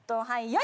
はい。